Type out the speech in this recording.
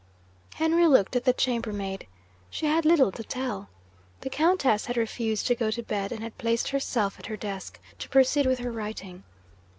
Henry looked at the chambermaid. She had little to tell. The Countess had refused to go to bed, and had placed herself at her desk to proceed with her writing.